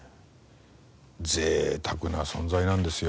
贅沢な存在なんですよ。